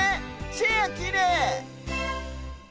チェアきれい！